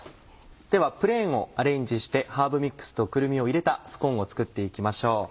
ではプレーンをアレンジしてハーブミックスとくるみを入れたスコーンを作っていきましょう。